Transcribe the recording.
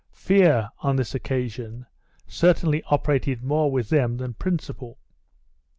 Fear, on this occasion, certainly operated more with them than principle.